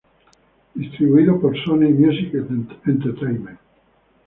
Distribuido por Sony Music Entertainment.